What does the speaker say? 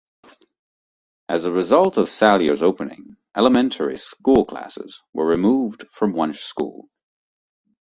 As a result of Salyers opening, elementary school classes were removed from Wunsche School.